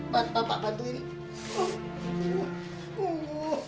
pak pak pak bantuin